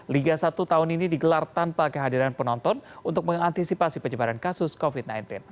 liga satu tahun ini digelar tanpa kehadiran penonton untuk mengantisipasi penyebaran kasus covid sembilan belas